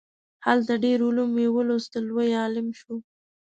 هلته ډیر علوم یې ولوستل لوی عالم شو.